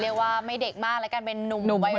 เรียกว่าไม่เด็กมากแล้วกันเป็นนุ่มวัย